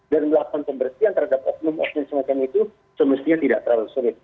dan melakukan pembersihan terhadap oknum oknum semacam itu semestinya tidak terlalu serius